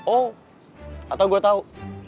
oh atau gue tau